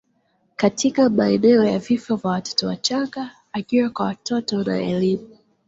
katika maeneo ya vifo vya watoto wachanga, ajira kwa watoto na elimu.